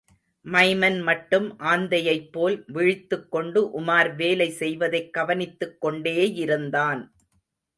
Maiman மட்டும் ஆந்தையைப் போல் விழித்துக் கொண்டு உமார் வேலை செய்வதைக் கவனித்துக் கொண்டேயிருந்தான்.